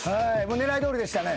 狙いどおりでしたね。